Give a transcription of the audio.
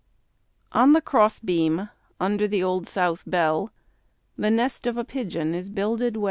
On the cross beam under the Old South bell The nest of a pigeon is builded well.